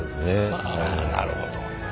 はあなるほどね。